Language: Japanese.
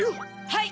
はい。